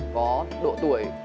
có độ tuổi